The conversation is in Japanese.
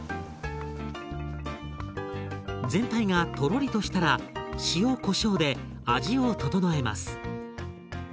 全体がとろりとしたら塩こしょうで味を調えます。